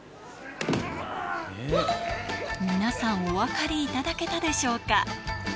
皆さん、お分かりいただけたでしょうか。